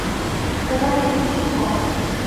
উনার বিপি খুব কম।